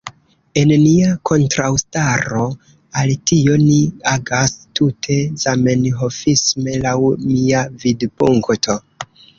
En nia kontraŭstaro al tio ni agas tute zamenhofisme, laŭ mia vidpunkto.